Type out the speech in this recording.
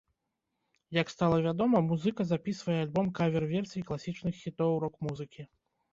Як стала вядома, музыка запісвае альбом кавер-версій класічных хітоў рок-музыкі.